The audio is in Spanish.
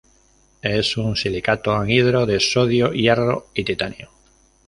Es un silicato anhidro de sodio, hierro y titanio.